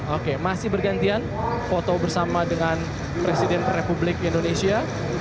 oke masih bergantian foto bersama dengan presiden republik indonesia